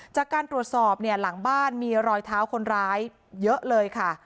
จากการตรวจสอบเนี่ยหลังบ้านมีรอยเท้าคนร้ายเยอะเลยค่ะ